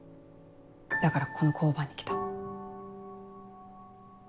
だからこの交番に来た。